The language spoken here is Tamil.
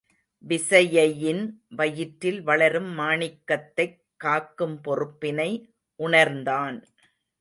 விசயையின் வயிற்றில் வளரும் மாணிக்கத்தைக் காக்கும் பொறுப்பினை உணர்ந்தான்.